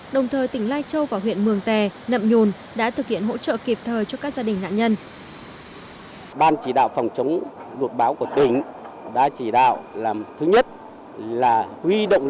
đồng thời tỉnh lai châu và huyện mường tè nậm nhùn đã thực hiện hỗ trợ kịp thời cho các gia đình nạn nhân